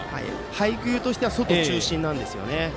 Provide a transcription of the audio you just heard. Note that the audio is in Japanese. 配球としては外中心なんですよね。